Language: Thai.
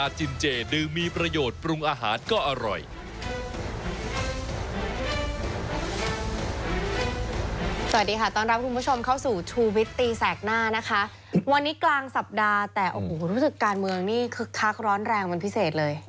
วันนี้กลางสัปดาห์แต่รู้สึกการเมืองนี่คือคักร้อนแรงมันพิเศษเลย